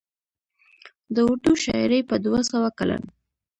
د اردو شاعرۍ په دوه سوه کلن